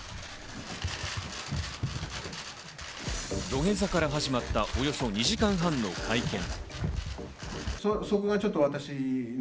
土下座から始まった、およそ２時間半の会見。